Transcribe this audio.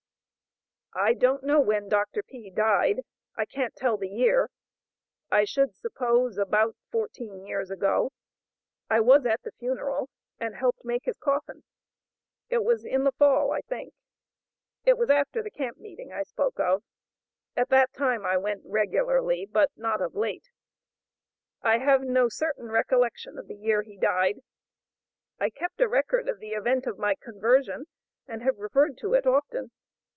"I don't know when Dr. P. died; I can't tell the year; I should suppose about fourteen years ago; I was at the funeral, and helped to make his coffin; it was in the fall, I think; it was after the camp meeting I spoke of; at that time I went regularly, but not of late; I have no certain recollection of the year he died; I kept a record of the event of my conversion, and have referred to it often.